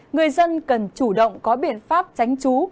người dân cần chủ động có biện pháp tránh trú